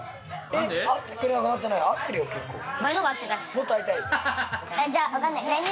もっと会いたい？